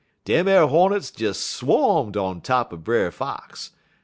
"Dem ar hornets des swarmed on top er Brer Fox.